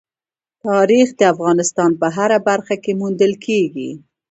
تاریخ د افغانستان په هره برخه کې موندل کېږي.